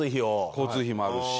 交通費もあるし。